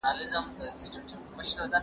هغه خوځښت چې دوامدار وي ډیر ارزښت لري.